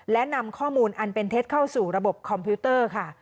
และนำข้อมูลอันเป็นเท็จเข้าสู่ระบบคอมพิวเตอร์ค่ะ